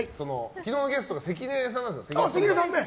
昨日ゲストが関根さんなんですよ。